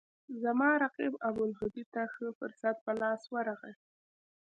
زما رقیب ابوالهدی ته ښه فرصت په لاس ورغی.